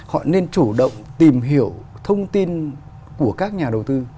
họ nên chủ động tìm hiểu thông tin của các nhà đầu tư